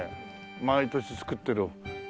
毎年造ってる。